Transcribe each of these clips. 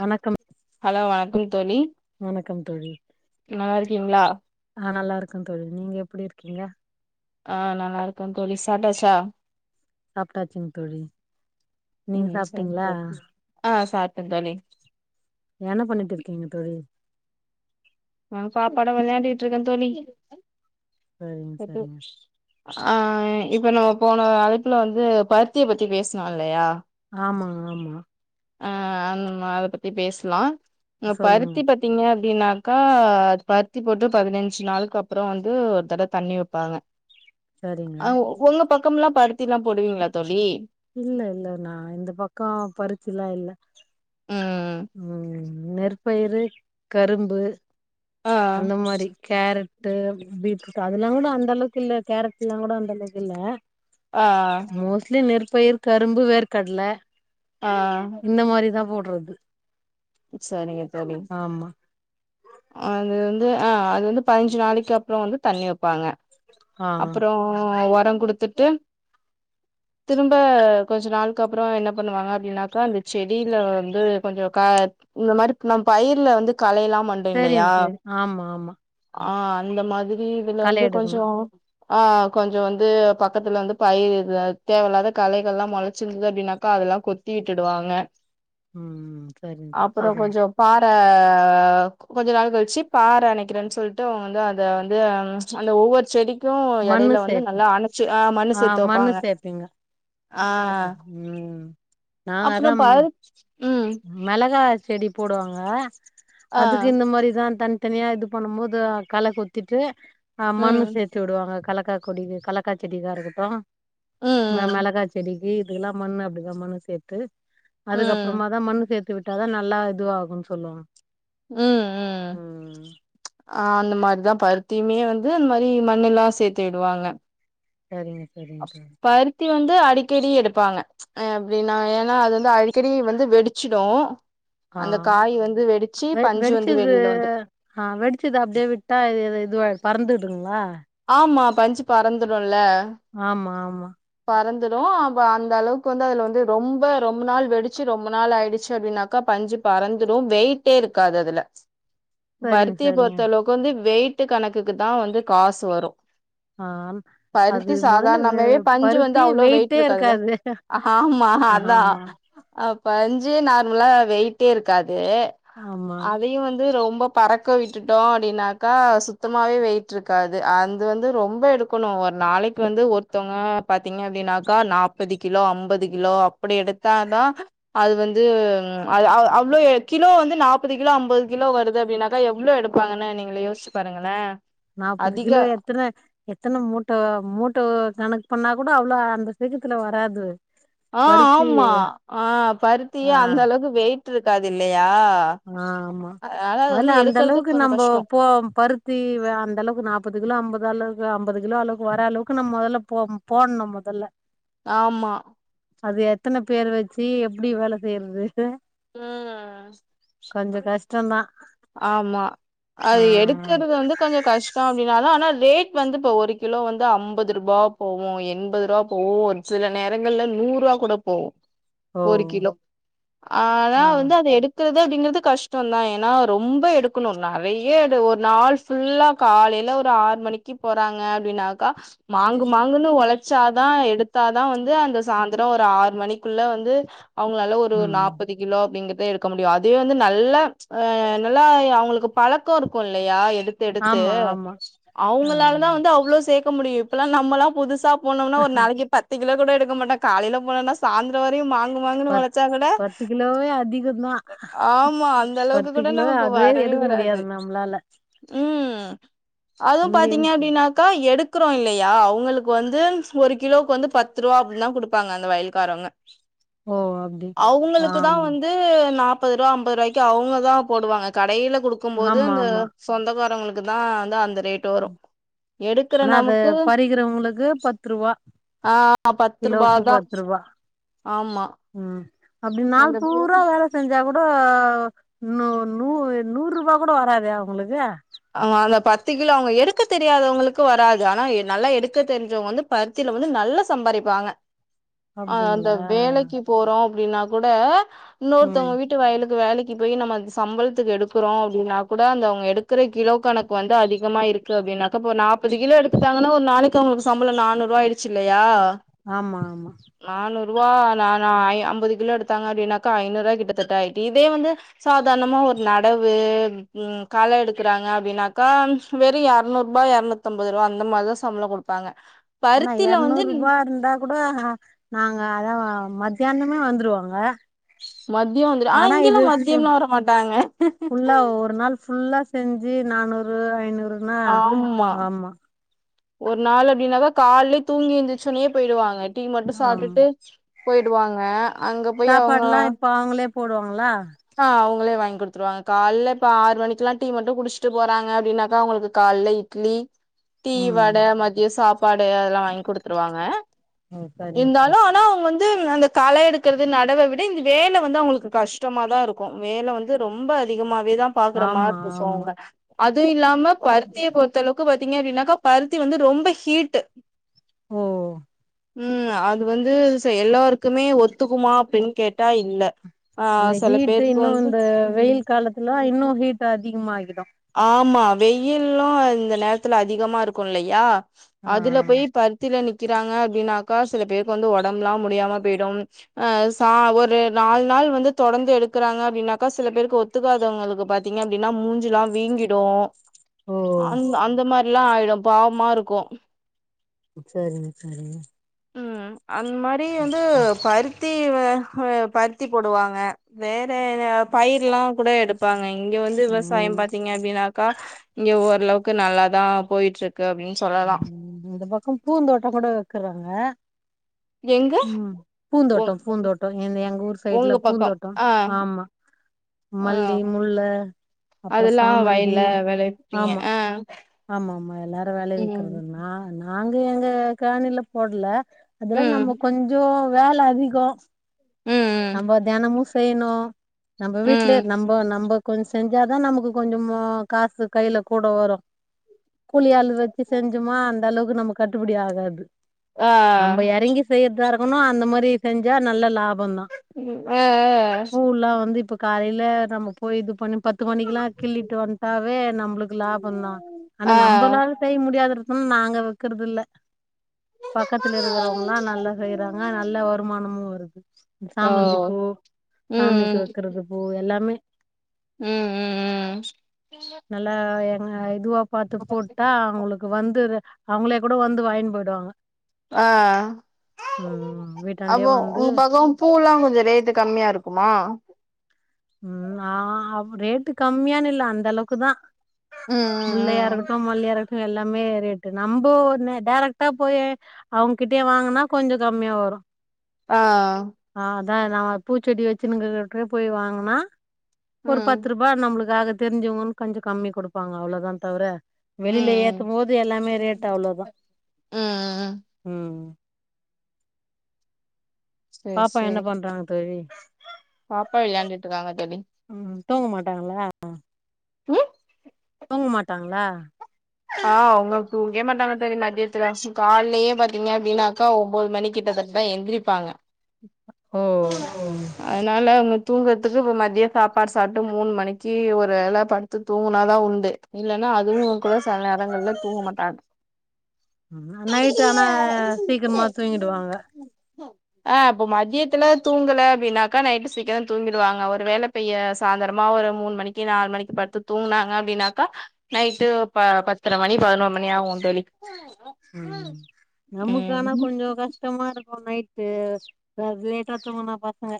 வணக்கம் ஹலோ வணக்கம் தோழி வணக்கம் தோழி நல்லா இருக்கீங்களா ஆ நல்லா இருக்கேன் தோழி நீங்க எப்டி இருக்கீங்க ஆ நல்லா இருக்கோ தோழி சாப்டாச்சா சாப்டாச்சிங் தோழி நீங்க ம் சரி சாப்பிட்டீங்களா சரி ஆ சாப்டேன் தோழி என்ன பண்ணிட்டு இருக்கீங்க தோழி ஆ பாப்பாவோட வெளையாண்டுட்டு இருக்கே தோழி சரிங்க எது சரிங்க ஆ இப்ப நம்ம போன அழைப்புல வந்து பருத்திய பத்தி பேஸ்னோ இல்லையா ஆமாங் ஆமா ஆ அந்த நம்ம அத பத்தி பேஸ்லா ஆ சொல்லுங்க பருத்தி பத் திங்க அப்டினாக்க பருத்தி போட்டு பதினஞ்சு நாளுக்கு அப்பறோ வந்து ஒரு தடவ தண்ணி வப்பாங்க சரிங்க அ உங்க பக்கம்லா பருத்திலா போடுவீங்களா தோழி இல்ல இல்ல நா இந்த பக்கோ பருத்திலா இல்ல ம் ம் நெற்பயிரு கரும்பு ஆ அந்த மாரி கேரட் டு பீட்ரூட் அதுலா கூட அந்த அளவுக்கு இல்ல கேரட்லா கூட அந்த அளவுக்கு இல்ல ஆ மோஸ்ட்லி நெற்பயிர் கரும்பு வேர்க்கடல ஆ இந்த மாரிதா போடுறது செறிங்க தோழி ஆமா அது வந்து அ அது வந்து பதிஞ்சு நாளைக்கு அப்புறோ வந்து தண்ணி வைப்பாங்க ஆ அப்பறோ உரம் குடுத்துட்டு திரும்ப கொஞ்ச நாளுக்கு அப்பறோ என்ன பண்ணுவாங்க அப்டின்னாக்க அந்த செடியில வந்து கொஞ்சோ கா இந்த மாரி நம் பயிர்ல வந்து கலையெல்லா மண்டு தெரியு இல்லையா தெரியு ஆமா ஆமா ஆ அந்த மாதிரி இதுல களை வந்து எடுக்கணு கொஞ்சோ ஆ கொஞ்சோ வந்து பக்கத்துல வந்து பயிரு இது தேவையில்லாத கலைகள் எல்லா முளைச்சிருந்தது அப்டின்னாக்கா அதெல்லா கொத் தி விட்டுவாங்க ம் சரிங் அப்பறோ சரிங் கொஞ்சோ பாற கொஞ்ச நாள் கழிச்சு பாற அனைக்கிறேன்னு சொல்லிட்டு அவுங்க வந்து அத வந்து அந்த ஒவ்வொரு செடி க்கு மண்ணு யெடையில வந்து சேப்பு நல்லா அணைச்சு அ மண்ணு ஆ மண்ணு சேத்துவப்பாங்க சேப்பீங்க ஆ ம் அப்பறோ பாரு ம் மிளகா செடி போடுவாங்க ஆ அதுக்கு இந்த மாரிதா தன் தனியா இது பண்ணுபோது கள கொத்திட்டு அ மண்ணு ம் சேத்து விடுவாங்க களக்கா கொடிக்கு கலக்கா செடிக்கா இருக்கட்டு ம் மிளகா செடிக் கி இதுக்குலா மண்ணு அப்டிதா மண்ணு சேர்த்து ம் ம் அதுக்கப்பறமா தா மண்ணு சேர்த்து வித்து விட்டாதா நல்லா இதுவாகுன்னு சொல்லுவாங்க ம் ம் ம் ஆ அந்த மாரிதா பருத்தியுமே வந்து இந்த மாரி மண்ணு எல்லா சேத்து விடுவாங்க சேரிங்க பருத்தி வந்து அடிக்கடி எடுப்பாங்க ஆ அப்டின்னா ஏன்னா அது வந்து அடிக்கடி வந்து வெடிச்சுடு ஆ அந்த காய் வந்து வெடிச்சு வெ பஞ்சு வந்து வெடிச்சது வெளியில வந்து ஆ வெடிச்சத அப்டியே விட்டா இ இது பறந்துடுங்களா ஆமா பஞ்சு பறந்துடுல ஆமா ஆமா பறந்துடு அ அந்த அளவுக்கு வந்து அதுல வந்து ரொம்ப ரொம்ப நாள் வெடிச்சு ரொம்ப நாள் ஆயிடுச்சு அப்டின்னா க்கா பஞ்சு பறந்துடு வெயிட்டே இருக்காது அதுல சரிங்க, பருத்திய சரிங்க. பொறுத்த அளவுக்கு வந்து வெயிட்டு கணக்குக்கு தா வந்து காசு வரு ஆ அது பருத்தி மொதல்ல வே சாதார்ணாமவே பஞ்சு வந்து பருத்தியே அவ்ளோ வெயிட் வெயிட்டே இருக்காதுல இருக்காது. ஆமா அதா ஆமா. ஆ பஞ்சே நார்மலா வெயிட்டே இருக்காது ஆமா. அதையு வந்து ரொம்ப பறக்க விட்டுட்டோ அப்டின்னாக்கா சுத்தமாவே வெயிட் இருக்காது அது வந்து ரொம்ப எடுக்கணு ஒரு நாளைக் கு வந்து ஒருத்தங்க பாத்தீங்கன அப்டின்னாக்கா நாப்பது கிலோ அம்பது கிலோ அப்டி எடுத்தாதா அது வந்து அது அவ் அவ்ளோ கிலோ வந்து நாப்பது கிலோ அம்பது கிலோ வருது அப்டின்னாக்கா எவ்ளோ எடுப் பாங்கனு நீங்களே யோசிச்சு பாருங்களே நாப்பது அதிக கிலோ எத் தன எத்தன மூட்டோ மூட்டோ கணக்கு பண்ணா கூட அவ்ளோ அந்த சீக்கத்துல வராது ஆ பருத்தி ஆமா ஆ பருத்தியே ஆ அந்த அளவுக்கு வெயிட் இருக்காது இல்லையா ஆ ஆமா அதனால அது வந்து மொதல அந்த எடுக்கறது அளவுக்கு கொஞ்சோ நம்ப கஷ்டோ போ பருத் தி அந்த அளவுக்கு நாப்பது கிலோ அம்பது அளவு அம்பது கிலோ அளவுக்கு வர அளவுக்கு நம்ம மோதல்ல போ போட்ணு மொதல்ல ஆமா அது எத்தன பேர் வச்சி எப்டி வேல செய்றது ம் கொஞ்சோ கஷ்டோதா ஆமா அது எடுக்குறது வந்து கொஞ்சோ கஷ் டோ அப்டின்னாலே ஆனா ரேட் வந்து இப்போ ஒரு கிலோ வந்து ஐம்பது ரூபா போவு எண்பது ரூபா போவு ஒரு சில நேரங்கள்ல நூறு ரூவா கூட போகு ஒரு ஓ! கிலோ ஆ ஆனா வந்து அத எடுத் துத விண்கறது கஷ்டோ தா ஏன்னா ரொம்ப எடுக்கணு நெறையடு ஒரு நாள் ஃபுல்லா காலையில ஒர் ஆறு மணிக்கு போறாங்க அப்டின்னாக்கா மாங்கு மாங்குன்னு ஒழச் சாதா எடுத்தா தா வந்து அந்த சாந்தரோ ஒர் ஆறு மணிக்குள்ள வந்து அவ்ங்களால ஒரு நா ம் தி கிலோ அப்டிங்கறத எடுக்க முடியு அதே வந்து நல்ல ஆ நல்லா அவுங்களுக்கு பழக்கோ இருக்கு இல்லையா எடுத் து எடுத்து ஆமா ஆமா ஆ அவுங்களால தா வந்து அவ்ளோ சேக்க முடியு இப்பலா நம்மல்லா புதுசா போனோம்னா ஒர் நாளைக்கி பத்து கிலோ கூட எடுக்க மாட்டே காலைல போனோனா சாந்தர வரையு மாங்கு மாங்குன்னு பத் ஒழச்சா கூட பத்து கிலோவே அதிகந்தா ஆமா அந்த அளவுக்கு பத்து கூட கிலோவே நமக்கு அதுவே வரவே எடுக்க வராது முடியாது நம்ளால உம் அது இங்க இன் பாத்தீங்க அப்டின்னா க எடுக்கிறோ இல்லையா அவுங்களுக்கு வந்து ஒரு கிலோக்கு வந்து பத்து ரூவா அப்டினு தா குடுப்பாங்க அந்த வயில்க் க்காரங்க ஓ அப்டி ஆம் து நாப்பது ரூவா அம்பது ரூவாய்க்கு அவுங்க தா போடுவாங்க கடையில குடுக்கும் போது ஆமா அந்த ஆமா சொந்தக்காரங்களுக்குதா அதா அந்த ரேட் வரு எடுக்கற ஆனா அத நமக்கு பறிக்கிறவங்களுக்கு பத்து ரூவா ஆ பத்து ரூபா கிலோக்கு தா ஆமா உம் அப்டி நாள் அந்த பூரா வேல செஞ்சா கூட கூட நு நூ நூறுபா கூட வராதே அவ்ங்களுக்கு அ அந்த பத்து கிலோ அவ்ங்க எடுக்க தெரியாதவங்களுக்கு வராது ஆனா நல்லா எடுக்க தெரிஞ்சவங்க வந்து பருத்தில வந்து நல்லா சம்பாறிப்பாங்க ஆ அந்த அப்டிங்களா வேலைக்கு போறோ அப்டின்னா கூட ம் இன்னொருத்தவங்க வீட் டு வயலுக்கு வேலைக்கு போய் நம்ம சம்பள்த்துக்கு எடுக்றோ அப்டின்னா கூட அந்த அவ்ங்க எடுக் க்கிற கிலோ கணக்கு வந்து அதிகமா இருக்கு அப்டின்னாக்காப்ப நாப்பது கிலோ எடுத்துட்டாங்கன்னா ஒரு நாளைக்கு அவ்ங்களுக்கு சம்பளோ நானூ நூறூ வாய்ட் ச்சில்லையா ஆமா ஆமா நானூறுவா நானா ஐ அம்பது கிலோ எடுத்தாங்க அப்டின்னாக்கா ஐநூறுவா கிட்டத்தட்ட ஆயிட்டு இதே வந்து சாதாரணமா ஒரு நடவு உம் கல எடுக் குறாங்க அப்டின்னாக்கா வெறு எரநூற்பா எர்நூத்தம்பது ரூவா அந்த மாரிதா சம்பளோ குடுப்பாங்க ஆனா பருத்தில வந்து எர்நூறூபா இருந்தா கூட நாங்க அதவா மத்தியானமே வந்துருவோங்க மத்தயோ வந்துரு ஆ இங்க எல்லா மத்தியம்லா வர மாட்டாங்க ஒர் நாள் ஃபுல்லா செஞ்சு நானூறு ஐநூறு ஆம்மா ஒரு நாள் அப்டின்னாக கால்லைலே தூங்கி ஏந்துருச்சேனேயே போயிடுவாங்க டீ மட்டு ஆமா சாப்ட்டுட்டு போய்டுவாங்க சாப்பாட்ல்லா இப்ப அவுங்களே போடுவாங்களா ஆ அவ்ங்களே வாங்கி குடுத்துருவாங்க கால்ல இப்ப ஆறு மணிக்கு எல்லா டீ மட்டு குடிச்சுட்டு போறாங்க அப்டின்னாக்கா அவுங்களுக்கு கால்ல இட் லி டீ ம் வட மதியோ சாப்பாடு அதல்லா வாங்கி குடுத்துருவாங்க ஓ சரிங்க இருந்தாலு ஆனா சரிங்க அவ்ங்க வந்து அந்த களை எடுக் கிறது நடவ விட இந்த வேல வந்து அவுங்களுக்கு கஷ்டமா தா இருக்கு வேல வந்து ரொம்ப அதிகமாவே தா பாக்குற மார் ஆமா இருக்கு ஆமா அவுங்க ங்க அப்டின்னாக்கா பருத்தி வந்து ரொம்ப ஹீட்டு ஓ உ அது வந்து செ எல்லாருக்குமே ஒத்துக்குமா அப்டின்னு கேட்டா இல்ல ஆ அந்த சொல்லுங் ஹீட்டு இன்னு இந்த வெயில் காலத்துல இன்னு ஹீட் அதிகமாகிதா ஆமா வெய்யிலும் இந்த நேர்த்துல அதிகமா இருக்கு இல்லையா ஆ அதுல போய் ப த்தில நிக்கிறாங்க அப்டின்னாக்கா சில பேருக்கு வந்து ஒடம்ப்லா முடியாம போய்டு அ ச ஒரு நாலு நாள் வந்து தொடந்து எடுக்கறாங்க அப்டின்னாக்கா சில பேருக்கு ஒத் ஒத்துக்காதவங்களுக்கு பாத்தீங்க அப்டின்னா மூஞ்சுலா ஓ வீங்கிடுஅந் அந்த மாதிரில்லா ஆயிடு பாவமா இருக்கு சேரிங்க சேரிங்க உ அந்த மாதிரி வந்து பருத் தி வ பர்த்தி போடுவாங்க வேற பயிர்லா கூட எடு இருப்பாங்க இங்க வந்து விவசாயோ ம் பாத்தீங்க அப்டின்னாக்கா இங்க ஓரளவுக்கு நல்லாதா போயிட்டு இருக்கு [unintelligible] உ இந்த பக்கோ பூந்தோட்டமா கூட வுக்குறாங்க எங்க உ உ பூந்தோட்டோ பூந்தோட்டோ எங் எங்க ஊர் சைடுல உங்க பக்கம் பூந்தோட்டம் ஆ ஆமா ஆ மல்லி முல்ல அப்புறோ அதெல்லா வயல்ல சாமந்தி விளவிப்பீங்க ஆமா ஆ ஆமா ஆமா எல்லாரும விளைவிக்கிறது ம் நா நாங்க எங்க காணில போடல அதுலா நம்ம ம் கொஞ்சோ வேலை அதிகோ ம் நம்ம தெனமு செய்யுணு நம்ம ம் வீட்லயே நம்போ நம்பக் கொஞ்சோ செஞ்சாதா நமக்கு கொஞ்சமா காசு கையில கூட வரும் கூலியாள் வச்சு செஞ்சோமா அந்த அளவுக்கு நம்ம கட்டுபடி ஆகாது ஆ நம்ம இறங்கி செ செய்றதா இருக்கணு அந்த மாதிரி செஞ்சா நல்ல லாபம் தா ஆ பூவ்லா வந்து இப்ப காலையல நம்ம போய்ட்டு இது பண்ணி பத்து மணிக்கொல்லா கிள்ளிட்டு வந்துட்டாவே நம்மளுக்கு லாபோ தா ஆனா ஆ நம்மளால செய்ய முடியாதுருக்குனு நாங்க வைக்கிறது இல்ல பக்கத்துல இருக்குறோ நல்லா செய்றாங்க நல்ல ஆ வருமானமு வருது ஓ சாமந்திப்பூ சாமிக்கு ம் வைக்கிறது பூ எல்லாமே உ உ நல்லா எங் இதுவா பாத்து போட்டா அவுங்களுக்கு வந்து அவுங்களே கூட வந்து வாங்கிட்டு போயிடுவாங்க ஆ ம் வீட்டாண்டே அப்போ வந்து உங்க பக்கம் பூல்லா கொஞ்சோ ரேட்டு கம்மியா இருக்குமா உ ஆ ரேட்டு கம்மியானு இல்ல அந்த அளவுக்கு தா உ முல்லையா இருக்கட்டு மல்லியா இருக்கட்டு எல்லாமே ரேட்டு நம்போ டேரக்ட்டா போயி அவுங்க கிட்டயே வாங்குனா கொஞ்சோ கம்மியா வரு ஆ ஆ அதா தான் பூச்செடி வச்சுங்கினு இருக்கவங்கட போய் வாங்குனா ஒரு ம் பத்து ரூபா வா நம்மளுக்காக தெரிஞ்சவங்கன்னுகொஞ்சோ கம்மி கொடுப்பாங்க தவிர அவ்வளோதா தவிர வெளில ம் ஏதும் போது எல்லாமே ரேட் ம் அவ்வளோதா ம் உ சேரி பாப்பா என்ன சேரி பண்றாங்க தோழி பாப்பா விளாண்டுட்டு இருக்காங்க தோழி உ தூங்க மாட்டாங்களா ஆஹ தூங்க மாட்டாங்களா ஆ அவங்க தூங்கவே மாட்டாங்க தோழி மதியத்துல கால்லயே பாத்தீங்க அப்டின்னாக்கா ஒம்பது மணி கிட்டத்தட் டதா எந்திரிப்பாங்க ஓ அதுனால அவங்க தூங்குறதுக்கு இப்ப மதியோ சாப்பாடு சாப்ட்டு மூணு மணிக்கு ஒரு வேல படுத்து தூங்குனாதா உண்டு இல்லன்னா அதுவு கூட சில நேரங்கள்ல தூங்க மாட்டாங்க நைட் ஆனா சீக்கிரமா தூங்கிடுவாங்க ஆ இப்ப மதியத்துல தூங்கல அப்டின்னாக்கா நைட்டு சீக்கிரோ தூங்கிடுவாங்க ஒரு வேள இப்பயே சாந்தரமா ஒரு மூணு மணிக்கி நாலு மணிக்கி படுத்து தூங்குனாங்க அப்டின்னாக்கா நைட்டு ப பத்தர மணி பதினொரு மணி ஆகு தோழி ம் நமுக்கு ஆனா ம் கொஞ்சோ கஷ் டமா இருக்கு நைட்டு ரஸ் லேட்டா தூங்குனா பசங்க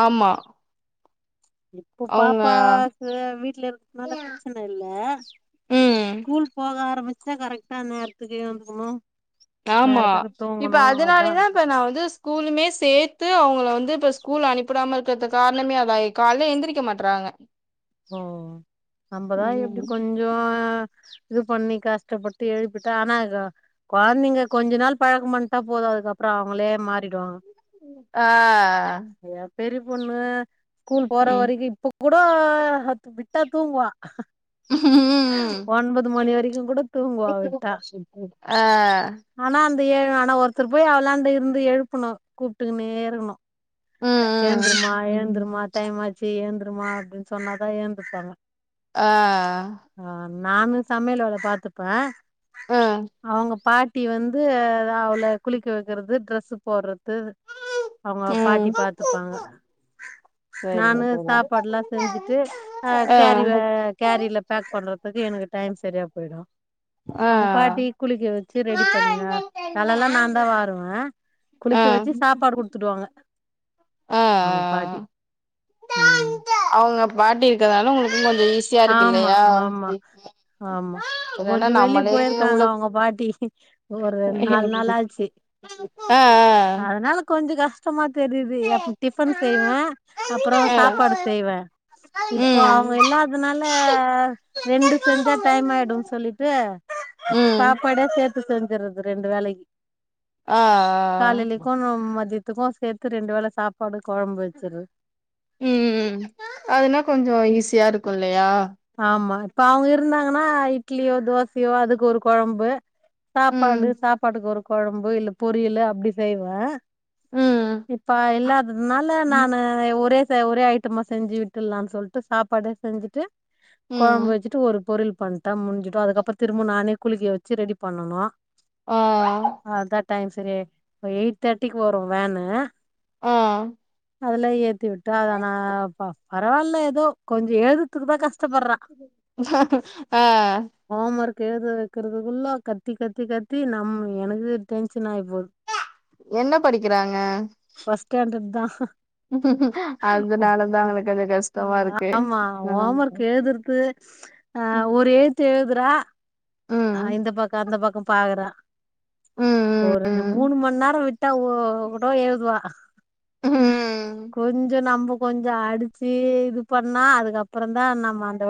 ஆமா இப்ப அவங்க பாப்பாக்கு வீட்ல இருக்கனால பிரச்சன இல்ல ம் ஸ்கூல் போக ஆரம்பிச்சா கரெக்டா நேரத்துக்கு எழுந்துக்கணு ஆமா நேரத்துக்கு இப்ப தூங்கணு அதா அதுனாலயேதா இப்ப நா வந்து ஸ்கூலுமே சேத்து அவுங்கள வந்து இப்ப ஸ்கூல் அனுப்பிடாம இருக்குறது காரணமே அதாயிட் கால்ல எந்திரிக்க மாட்டறாங்க ஓ நம்பதா எப்டி ம் கொஞ்சோ இது பண்ணி கஷ்டப்பட்டு எழுப்பிட்டா ஆனா கா கொழந்தைங்க கொஞ்ச நாள் பழக்கம் பண்ணட்டா போது அதுக்கப்பறோ அவங்களே மாறிடுவாங்க ஆ ஏ பெரிய பொண்ணு ஸ்கூல் போற ம் வரைக்கு இப்ப கூட அது விட்டா தூங்குவா ம் ஒன்பது மணி வரைக்கு கூட தூங்குவா விட்டா ஆ ஆனா அந்த ஏழு ஆனா ஒருத்தர் போய் அவளாண்டு இருந்து எழுப்பணு கூப்ட்டுக்குன்னே இருக்கணு ம் எழுந்துருமா ம் எழுந்துருமா டைமாச்சி எழுந்துருமா அப்டின்னு சொன்னாதா எழுந்துப்பாங்க ஆ ஆ நானு சமையல் வேல பாத்துப்பே ம் அவங்க பாட்டி வந்து அவள குளிக்க வைக்கிறது டிரஸ் போடுறது அவங்க பாட்டி ம் பாத்துப்பாங்க சரிங்க நானு தோழி சாப்பாடுல்லா செஞ்சுட் ஆ கேரி வே கேரில பேக் பண்றதுக்கு எனக்கு டைம் சரியா போயிடு ஆ அவங்க பாட்டி குளிக்க வச்சு ரெடி பண்ண தலல்லா நாந்தா வாருவே ஆ குளிக்க வச்சி சாப்பாடு குடுத்துடுவாங்க ஆ அவுங்க ஆ பாட்டி ம் அவங்க பாட்டி இருக்கிறதுனால உங்களுக்கு கொஞ்சோ ஈஸியா இருக்கு ஆமா இல்லையா ஆமா ஆமா இப்ப இல்லன்னா கொஞ்சோ வெளிய நம்மளே போயிருக்காங்க உங்கள அவங்க பாட்டி ஒரு நாலு நாள் ஆச்சி ஆ அதனால கொஞ்சோ கஷ்டமா தெரியுது எப் டிஃபன் செய்வே அப்பறோ ஆ ம் சாப்பாடு செய்வே இப்போ ம் அவங்க இல்லாத னால ரெண்டு செஞ்சா டைம் ஆயிடுன்னு சொல்லிட்டு சாப்பாடே சேத்து செஞ்சிர்றது ரெண்டு வேளைக்கி ஆ ஆ காலேலைக்கு மதியத் துக்கு சேத்து ரெண்டு வேளை சாப்பாடு கொழம்பு வச்சிர்றது ம் அதுனா கொஞ்சோ ஈஸியா இருக்கு இல்லையா ஆமா இப்ப அவுங்க இருந்தாங்கன்னா இட்லியோ தோசையோ அதுக்கு ஒரு கொழம்பு ம் சாப்பாடு சாப்பாட்டுக்கு ஒரு கொழம்பு இல்ல பொரியலு அப்டி செய்வே ம் இப்ப இல்லாததுனால நானு அ ஒரே ச ஒரே ஐட்டமா செஞ்சு விட்டுலான்னு சொல்லிட்டு சாப்பாடு செஞ்சுட்டு ம் கொழம்பு வெச்சுட்டு ஒரு பொரியல் பண்டா முடிஞ்சிடு அதுக்கப்றோ திரும்ப நானே குளிக்க வெச்சு ரெடி பண்ணனு ஆ அதா டைம் செரியாயி எயிட் தேர்ட்டிக்கு வரும் வேனு ஆ அதுல ஏத்தி விட்டா அத ஆனா ப பரவால்ல ஏதோ கொஞ்சோ எழுதுற்துக்கு ஆ ஹோம் ஒர்க் எழுத வெக்கிறதுக்குள்ளோ கத்தி கத்தி கத்தி நம்ம எனக்கு டென்ஷன் ஆகி போது என்ன படிக்கிறாங்க ஃபர்ஸ்ட் ஸ்டாண்டர்ட் தா அதனால தா உங்களுக்கு அந்த கஷ்ட ம் ஆமா ஹோம் ஒர்க் எழுதுறது ஆ ம் ஒரு எழுத்து எழுதுறா ஆ இந்த பக்கோ அந்த பக்கோ பாக்குறா ம் ஒரு ம் ரெண்டு மூணு மணி நேரோ விட்டா கூடோ எழுதுவா ம் ம் கொஞ்சோ நம்போ கொஞ்சோ அடிச்சி இது பண்ணா அதுக்கப்றம் தா நம்ம அந்த வழி